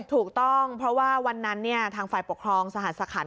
ถูกต้องเพราะว่าวันนั้นเนี่ยทางฝ่ายปกครองสหรัฐสคัณภ์